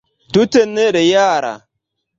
Tute nereala!